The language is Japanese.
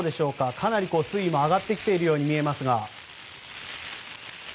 かなり水位も上がってきているように見えますが。